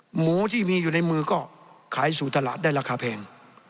หมูที่มีอยู่ในมือก็ขายสู่ตลาดได้ราคาแพง